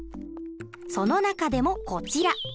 その中でもこちら。